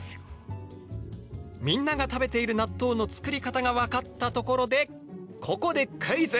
みんなが食べている納豆の作り方が分かったところでここでクイズ！